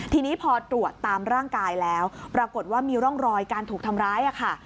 ทีนี้พอตรวจตามร่างกายแล้วปรากฏว่ามีร่องรอยการถูกทำร้ายค่ะ